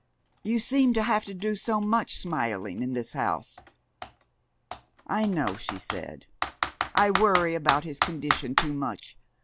You seemed to have to do so much smiling in this house! "I know," she said. "I worry about his condition too much.